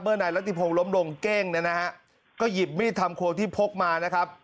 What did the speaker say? เมื่อนายรัฐิพงศ์ล้มลงเก้งนะฮะก็หยิบมีดทำควงที่พกมานะครับ